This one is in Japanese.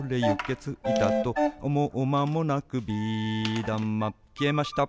「ついたとおもうまもなく」「ビーだまきえました」